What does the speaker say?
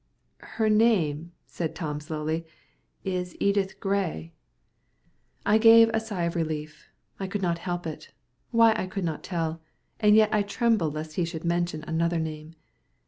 "Her name," said Tom slowly, "is Edith Gray." I gave a sigh of relief. I could not help it why I could not tell; and yet I trembled lest he should mention another name.